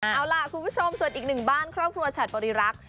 เอาล่ะคุณผู้ชมส่วนอีกหนึ่งบ้านครอบครัวฉัดบริรักษ์